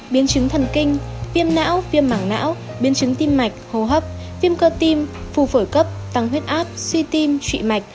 biến chứng thần kinh viêm não viêm mảng não biến chứng tim mạch hô hấp viêm cơ tim phù phổi cấp tăng huyết áp suy tim trụy mạch